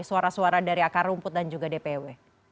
suara suara dari akar rumput dan juga dpw